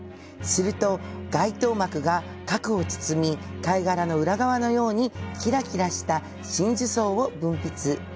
すると、外套膜が核を包み貝殻の裏側のようにキラキラした真珠層を分泌。